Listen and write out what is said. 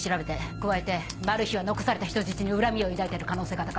加えてマル被は残された人質に恨みを抱いている可能性が高い。